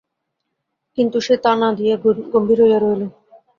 কিন্তু সে তাহা না দিয়া গম্ভীর হইয়া রহিল।